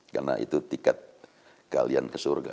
karena itu tiket kalian ke surga